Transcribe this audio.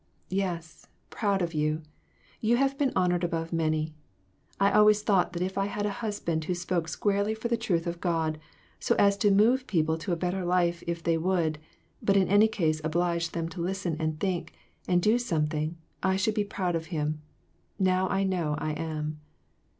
"Yes, proud of you; you have been honored above many. I always thought that if I had a husband who spoke squarely for the truth of God, so as to move people to a better life if they would, but in any case oblige them to listen and think, and do something, I should be proud of him ; now I know I am."